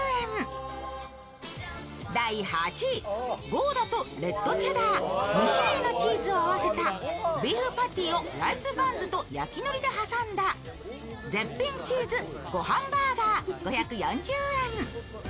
ゴーダとレッドチェダー、２種類のチーズを合わせたビーフパティをライスバンズと焼きのりで挟んだ絶品チーズごはんバーガー５４０円。